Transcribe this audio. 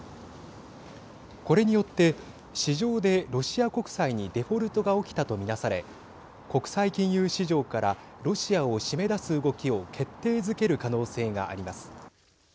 これによって市場でロシア国債にデフォルトが起きたとみなされ国際金融市場からロシアを締め出す動きを決定づける可能性があります。